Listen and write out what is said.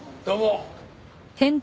どうも。